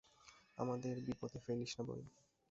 আমাদের বিপদে ফেলিস না বইন।